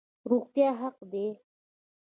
روغتیا حق دی